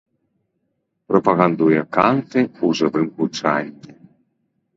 Прапагандуе канты ў жывым гучанні.